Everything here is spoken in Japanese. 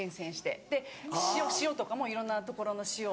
で塩とかもいろんな所の塩を。